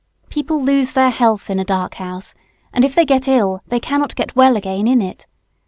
People lose their health in a dark house, and if they get ill they cannot get well again in it.